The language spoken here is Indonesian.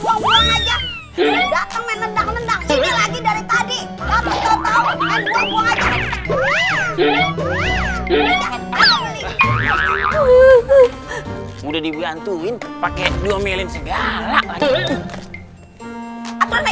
bawa aja datang menendang nendang sini lagi dari tadi kamu tahu tahu dan gua gua aja